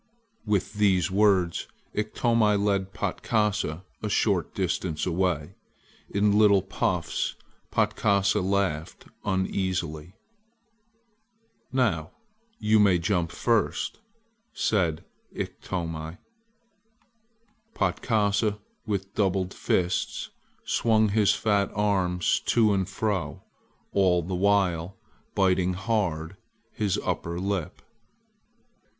With these words Iktomi led Patkasa a short distance away. In little puffs Patkasa laughed uneasily. "Now, you may jump first," said Iktomi. Patkasa, with doubled fists, swung his fat arms to and fro, all the while biting hard his under lip.